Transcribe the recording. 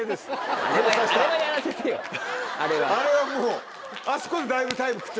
あれはもうあそこでだいぶタイム食って。